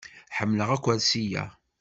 Ḥemmleɣ akersi-a.